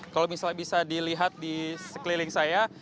kalau misalnya bisa dilihat di sekeliling saya